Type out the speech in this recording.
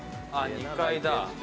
２階だ